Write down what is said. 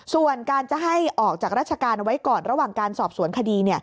ส่วนการจะให้ออกจากราชการไว้ก่อนระหว่างการสอบสวนคดี